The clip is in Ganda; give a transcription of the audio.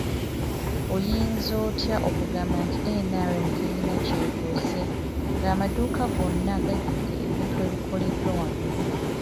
Oyinza otya okugamba nti NRM terina kyekoze ng'amaduuka gonna gajjudde ebintu ebikoleddwa wano.